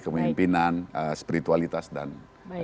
kemimpinan spiritualitas dan nilai nilai kebaikan